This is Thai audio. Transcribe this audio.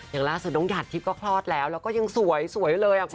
อย่างล่าสุดน้องหยาดทิพย์ก็คลอดแล้วแล้วก็ยังสวยเลยคุณ